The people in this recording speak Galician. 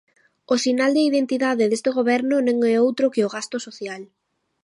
O sinal de identidade deste goberno non é outro que o gasto social.